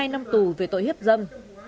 một mươi hai năm tù về tội hiếp dâm